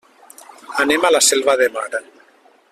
Anem a la Selva de Mar.